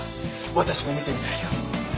私も見てみたいよ。